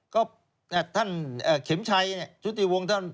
ก็ท่านเข็มชัยชุติวงศ์ท่าน